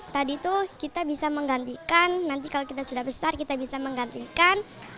tadi tuh kita bisa menggantikan nanti kalau kita sudah besar kita bisa menggantikan